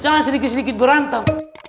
jangan sedikit sedikit berantem